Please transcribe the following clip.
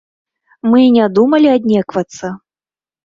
Мы і не думалі аднеквацца.